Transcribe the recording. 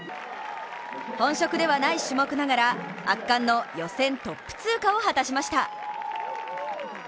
本職ではない種目ながら、圧巻の予選トップ通過を果たしました。